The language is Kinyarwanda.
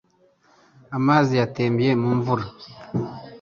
Amazi yatembye mu mvura.